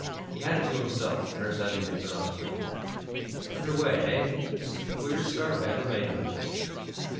He had it to himself, the nurse having been put on shore. "Under way, eh? This is the queerest start I ever made on a voyage."